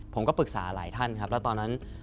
ผมก็ปรึกษาหลายท่านครับแล้วตอนนั้น